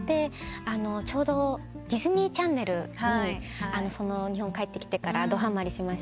ちょうどディズニー・チャンネルに日本帰ってきてからどはまりしまして。